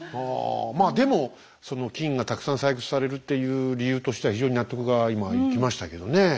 まあでもその金がたくさん採掘されるっていう理由としては非常に納得が今いきましたけどね。